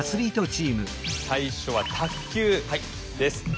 最初は「卓球」です。